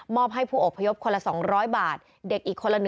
มอบให้ผู้อพยพคนละสองร้อยบาทเด็กอีกคนละหนึ่งบาท